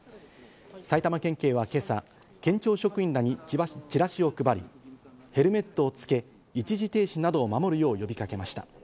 埼玉県警は今朝、県庁職員らにチラシを配り、ヘルメットを着け、一時停止などを守るよう呼びかけました。